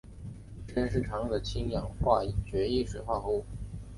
实验室常用的是氢氧化铯一水合物。